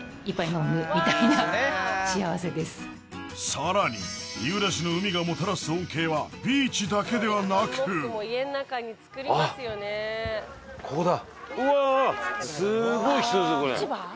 さらに三浦市の海がもたらす恩恵はビーチだけではなくあっここだ。